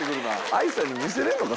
愛さんに見せれんのか。